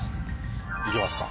行きますか。